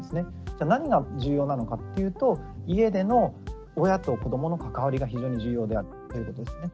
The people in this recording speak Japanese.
じゃあ何が重要なのかっていうと家での親と子どもの関わりが非常に重要であるということですね。